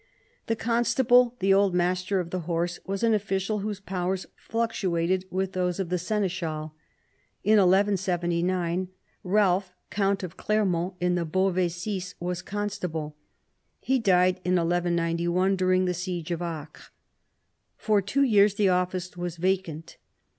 The constable, the old master of the horse, was an official whose powers fluctuated with those of the seneschal. In 1179 Ealph, count of Clermont in the Beauvaisis, was constable. He died in 1191 during the siege of Acre. For two years the office was vacant.